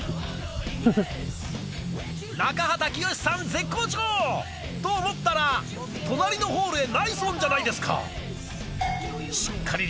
中畑清さん絶好調！と思ったら隣のホールへナイスオンじゃないですか。